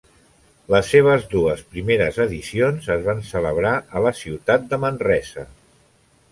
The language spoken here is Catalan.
Les seves dues primeres edicions es van celebrar a la ciutat de Manresa.